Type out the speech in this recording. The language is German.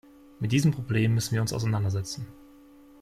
Mit diesem Problem müssen wir uns auseinandersetzen.